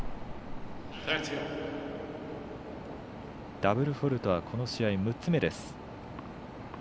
ダブルフォールトはこの試合６つ目です。